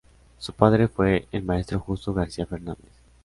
Su padre fue el maestro Justo García Fernández.